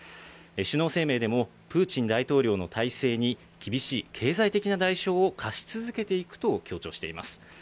首脳声明でも、プーチン大統領の体制に厳しい経済的な代償を科し続けていくと強調しています。